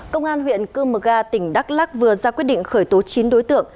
công an huyện cư mờ ga tỉnh đắk lắc vừa ra quyết định khởi tố chín đối tượng